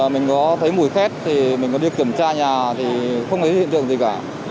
mình có thấy mùi khét mình có đi kiểm tra nhà thì không thấy hiện trường gì cả